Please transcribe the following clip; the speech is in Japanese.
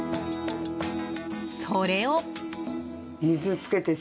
それを。